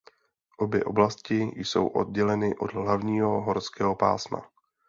Obě oblasti jsou odděleny od hlavního horského pásma.